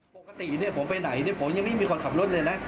ปกติเนี่ยผมไปไหนเนี่ยผมยังไม่มีคนขับรถเลยนะ